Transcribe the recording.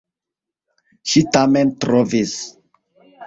Ŝi tamen trovis!